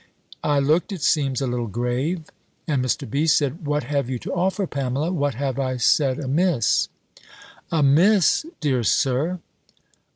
I looked, it seems, a little grave; and Mr. B. said, "What have you to offer, Pamela? What have I said amiss?" "Amiss! dear Sir!